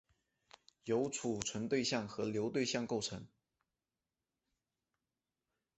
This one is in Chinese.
由存储对象和流对象构成。